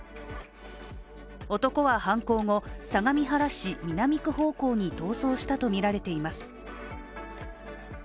男は犯行後、相模原市南区方向に逃走したとみられています。